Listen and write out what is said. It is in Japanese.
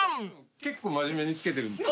結構真面目に付けてるんです。